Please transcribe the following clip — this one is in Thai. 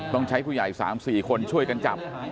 ต้องใช้ผู้ใหญ่๓๔คนช่วยกันจับ